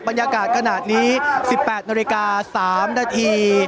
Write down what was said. บรรยากาศขนาดนี้๑๘นาฬิกา๓นาที